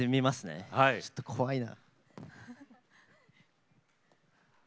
ちょっと怖いな。